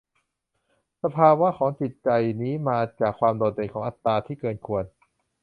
สภาวะของจิตใจนี้มาจากความโดดเด่นของอัตตาที่เกินควร